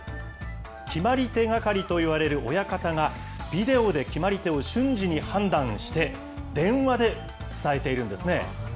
決まり手係といわれる親方が、ビデオで決まり手を瞬時に判断して、電話で伝えているんですね。